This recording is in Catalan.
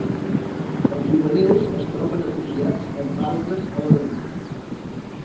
Els juvenils es troben associats amb algues a la deriva.